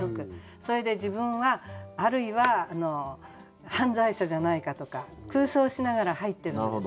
それで自分はあるいは犯罪者じゃないかとか空想しながら入ってるんです。